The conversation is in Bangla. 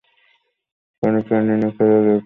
কেন পেনি নিকেলকে গ্রেফতার করেছিল?